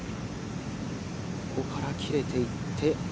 ここから切れていって。